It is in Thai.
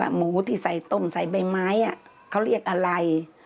หมูที่ใส่ต้มใส่ใบไม้เขาเรียกอะไร